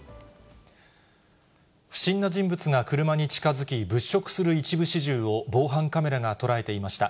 不審な人物が車に近づき、物色する一部始終を、防犯カメラが捉えていました。